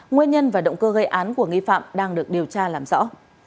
nguyên nhân và động cơ gây án của nghi phạm đang được điều tra làm rõ